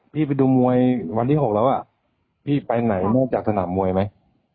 ไปดูมวยวันที่๖แล้วพี่ไปไหนนอกจากสนามมวยไหม